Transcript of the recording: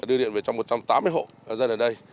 đưa điện về cho một trăm tám mươi hộ dân ở đây